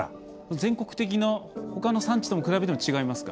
全国的なほかの産地と比べても違いますか？